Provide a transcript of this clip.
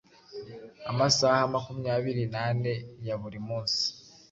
amasaha makumyabiri na ane ya buri munsi".